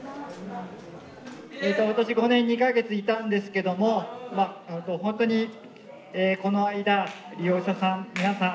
私５年２か月いたんですけども本当にこの間利用者さん皆さん